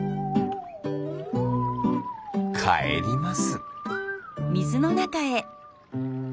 かえります。